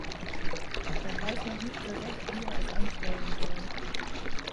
Er weiß noch nicht so recht, wie er es anstellen soll.